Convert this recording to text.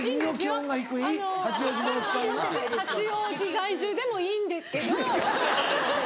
八王子在住でもいいけど？